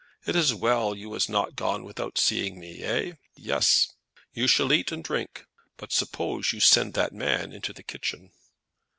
It is well you was not gone without seeing me? Eh; yes! You shall eat and drink, but suppose you send that man into the kitchen!"